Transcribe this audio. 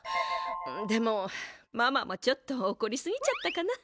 でもママもちょっとおこりすぎちゃったかな。